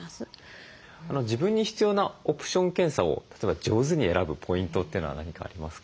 自分に必要なオプション検査を例えば上手に選ぶポイントというのは何かありますか？